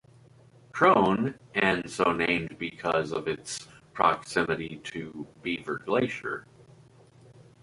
Crohn, and so named because of its proximity to Beaver Glacier.